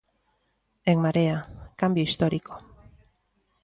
En Marea, "Cambio histórico".